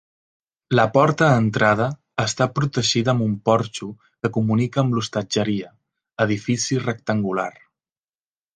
La porta d'entrada està protegida amb un porxo que comunica amb l'hostatgeria, edifici rectangular.